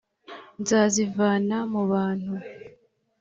Nzazivana mu bantu